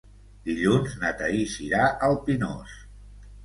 Dilluns na Thaís irà al Pinós.